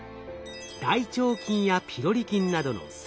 大腸菌やピロリ菌などの細菌。